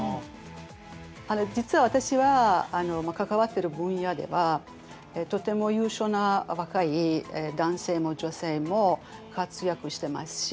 実は私は関わってる分野ではとても優秀な若い男性も女性も活躍してますし